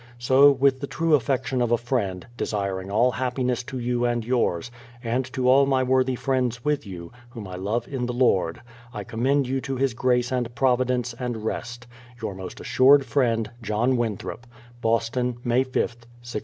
So, with the true affection of a friend, desiring all happiness to you and yours, and to all my worthy friends with you, whom I love in the Lord, I commend you to His grace and providence, and rest, Your most assured friend Boston, May ith, 1631.